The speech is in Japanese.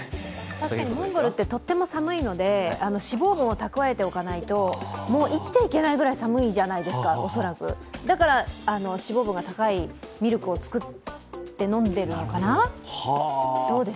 確かにモンゴルってとても寒いので脂肪分を蓄えておかないと、生きていけないくらい寒いじゃないですか、恐らく、だから恐らく脂肪分が高いミルクを作って飲んでるのかな。